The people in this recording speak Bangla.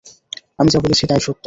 আমি যা বলেছি তাই সত্য।